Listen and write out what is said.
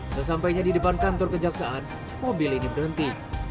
sesampainya di depan kantor kejaksaan mobil ini berhenti